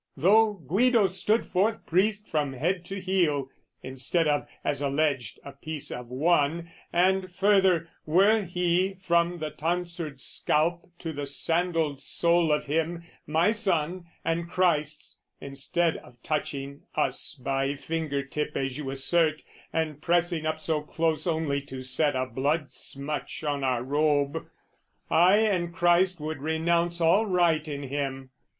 "Though Guido stood forth priest from head to heel, "Instead of, as alleged, a piece of one, "And further, were he, from the tonsured scalp "To the sandaled sole of him, my son and Christ's, "Instead of touching us by finger tip "As you assert, and pressing up so close "Only to set a blood smutch on our robe, "I and Christ would renounce all right in him.